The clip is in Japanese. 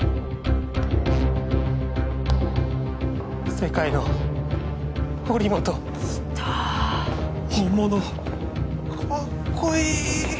世界の堀本きた本物・かっこいい